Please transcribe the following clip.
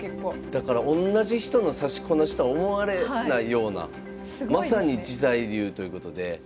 だからおんなじ人の指しこなしとは思われないようなまさに自在流ということで。